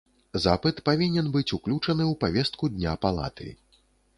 Запыт павінен быць уключаны ў павестку дня палаты.